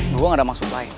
gue nggak ada maksud lain